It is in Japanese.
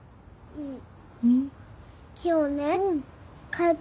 うん。